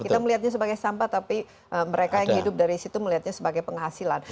kita melihatnya sebagai sampah tapi mereka yang hidup dari situ melihatnya sebagai penghasilan